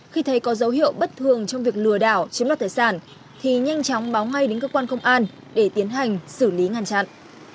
khi thấy có dấu hiệu bất thường trong việc lừa đảo chiếm đoạt tài sản thì nhanh chóng báo ngay đến cơ quan công an để tiến hành xử lý ngăn chặn